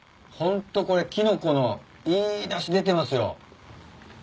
ホントこれキノコのいいだし出てますよ。